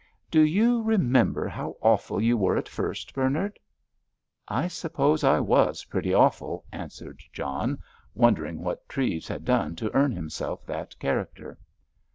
"Do you remember how awful you were at first, Bernard?" "I suppose I was pretty awful," answered John, wondering what Treves had done to earn himself that character.